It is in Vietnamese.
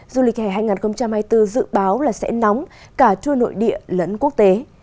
du lịch hè hai nghìn hai mươi bốn dự báo sẽ nóng cả chua nội địa lẫn quốc tế